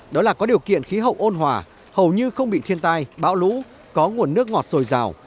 đó là có điều kiện khí hậu ôn hòa hầu như không bị thiên tai bão lũ có nguồn nước ngọt dồi dào